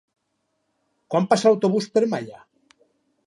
Quan passa l'autobús per Malla?